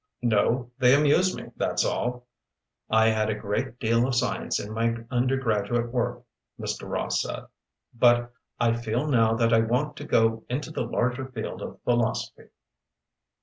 "No, they amuse me; that's all. 'I had a great deal of science in my undergraduate work,' Mr. Ross said, 'but I feel now that I want to go into the larger field of philosophy.'"